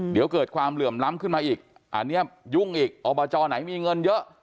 เดี๋ยวเกิดความเหลื่อมล้ำขึ้นมาอีกอันนี้ยุ่งอีกอบจไหนมีเงินเยอะ